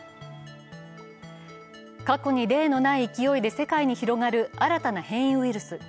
過去に例のない勢いで世界に広がる新たな変異ウイルス。